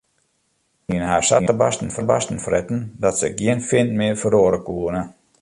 Se hiene har sa te barsten fretten dat se gjin fin mear ferroere koene.